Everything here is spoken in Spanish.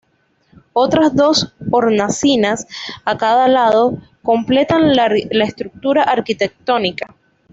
Otras dos hornacinas a cada lado completan la estructura arquitectónica.